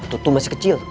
tutu masih kecil